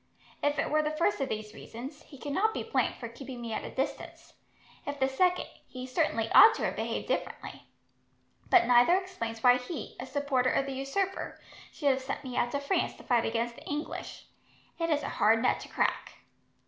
If it were the first of these reasons, he cannot be blamed for keeping me at a distance. If the second, he certainly ought to have behaved differently. But neither explains why he, a supporter of the usurper, should have sent me out to France to fight against the English. It is a hard nut to crack."